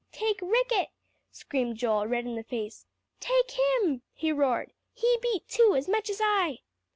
"Take Ricket!" screamed Joel, red in the face. "Take him!" he roared. "He beat too, as much as I."